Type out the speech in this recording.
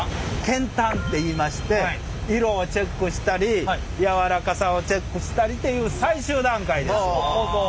検反っていいまして色をチェックしたりやわらかさをチェックしたりっていう最終段階です。